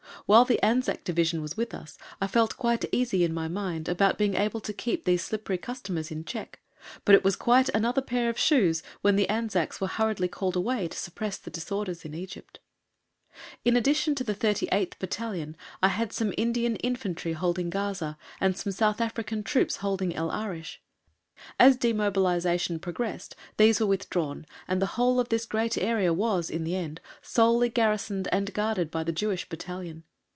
While the Anzac Division was with us I felt quite easy in my mind about being able to keep these slippery customers in check, but it was quite "another pair of shoes" when the Anzacs were hurriedly called away to suppress the disorders in Egypt. In addition to the 38th Battalion, I had some Indian Infantry holding Gaza, and some South African troops holding El Arish. As demobilization progressed these were withdrawn and the whole of this great area was, in the end, solely garrisoned and guarded by the Jewish Battalion.